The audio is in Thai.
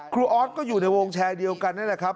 ออสก็อยู่ในวงแชร์เดียวกันนั่นแหละครับ